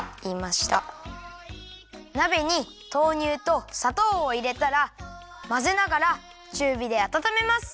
なべに豆乳とさとうをいれたらまぜながらちゅうびであたためます。